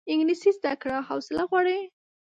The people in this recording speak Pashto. انګلیسي زده کړه حوصله غواړي